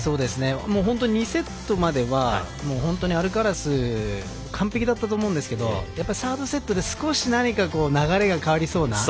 本当に２セットまでは本当にアルカラス完璧だったと思うんですけどサードセットで少し流れが変わりそうな。